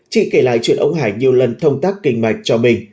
chị kể lại chuyện ông hải nhiều lần thông tác kinh mạch cho mình